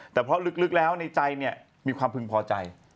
แต่เพราะลึกแล้วในใจเนี่ยมีความพึงพอใจ